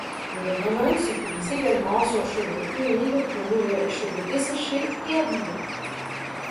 Le monoï s'utilise également sur cheveux humides pour nourrir les cheveux desséchés et abîmés.